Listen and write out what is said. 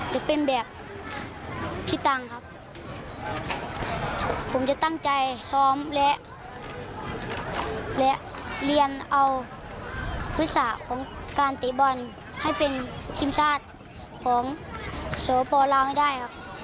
ได้เสื้อเมืองทองพร้อมรูปฟุตบอลจากไอดลของเขากลับบ้านด้วย